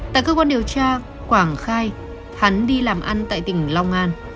tại cơ quan điều tra quảng khai hắn đi làm ăn tại tỉnh long an